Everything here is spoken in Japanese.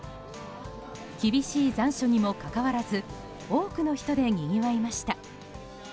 厳しい残暑にもかかわらず多くの人でにぎわいました。